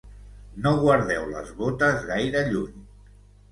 no guardeu les botes gaire lluny